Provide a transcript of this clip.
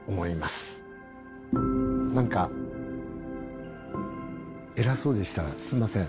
何か偉そうでしたらすいません。